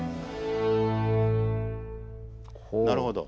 なるほど。